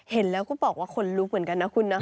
เห็นแล้วก็บอกว่าขนลุกเหมือนกันนะคุณนะ